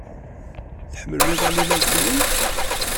Tḥemmlem iḍan imalṭiyen?